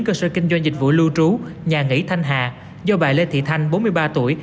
cơ sở kinh doanh dịch vụ lưu trú nhà nghỉ thanh hà do bà lê thị thanh bốn mươi ba tuổi